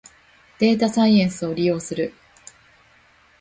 データサイエンスを利用する